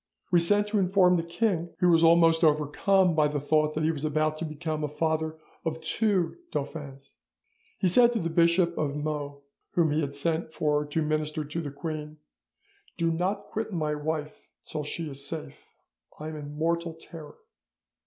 We sent to inform the king, who was almost overcome by the thought that he was about to become the father of two dauphins. He said to the Bishop of Meaux, whom he had sent for to minister to the queen, "Do not quit my wife till she is safe; I am in mortal terror."